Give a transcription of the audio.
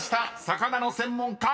魚の専門家